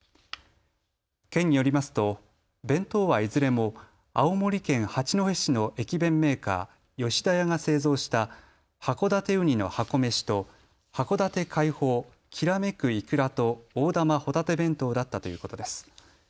県によりますと弁当はいずれも青森県八戸市の駅弁メーカー、吉田屋が製造した函館うにの箱めしと函館海宝煌めくイクラと大玉ほたて弁当だったということです。